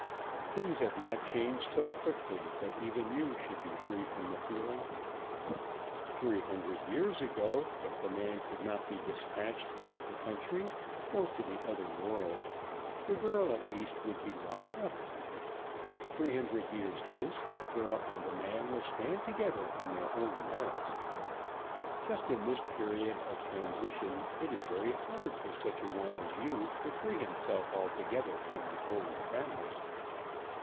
Things have not changed so quickly that even you should be free from the feeling. Three hundred years ago, if the man could not be despatched out of the country or to the other world, the girl at least would be locked up. Three hundred years hence the girl and the man will stand together on their own merits. Just in this period of transition it is very hard for such a one as you to free himself altogether from the old trammels."